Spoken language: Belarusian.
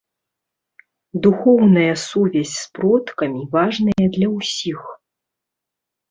Духоўная сувязь з продкамі важная для ўсіх.